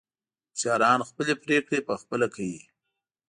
هوښیاران خپلې پرېکړې په خپله کوي.